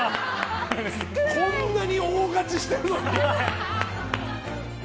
こんなに大勝ちしてるのに？